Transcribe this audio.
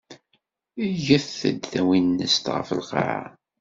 Get-d tawinest ɣef lqaɛa.